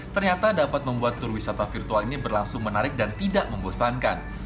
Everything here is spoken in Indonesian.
ternyata dapat membuat tur wisata virtual ini berlangsung menarik dan tidak membosankan